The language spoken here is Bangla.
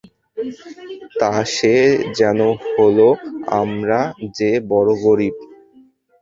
তা সে যেন হল, আমরা যে বড়ো গরিব।